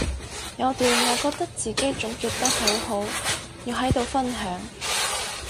有段我覺得自己總結得好好要喺度分享